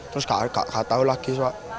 terus gak tau lagi